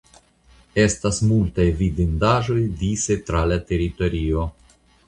Estas multaj vidindaĵoj dise tra la teritorio.